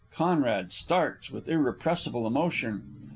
[CONRAD _starts with irrepressible emotion.